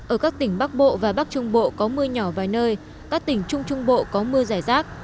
ở các tỉnh bắc bộ và bắc trung bộ có mưa nhỏ vài nơi các tỉnh trung trung bộ có mưa giải rác